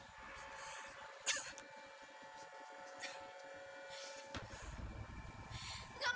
gak mau pak